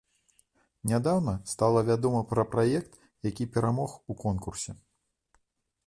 Нядаўна стала вядома пра праект, які перамог у конкурсе.